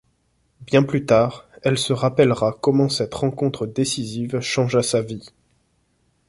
Bien plus tard, elle se rappellera comment cette rencontre décisive changea sa vie.